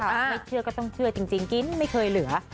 ไม่เชื่อก็ต้องเชื่อจริงกินไม่เคยเหลือ